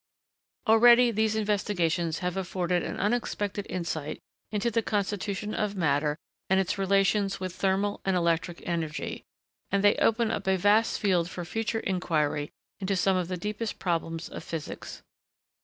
Already, these investigations have afforded an unexpected insight into the constitution of matter and its relations with thermal and electric energy, and they open up a vast field for future inquiry into some of the deepest problems of physics.